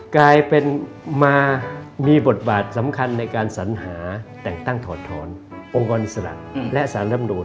กลายเป็นมามีบทบาทสำคัญในการสัญหาแต่งตั้งถอดถอนองค์กรอิสระและสารลำนูน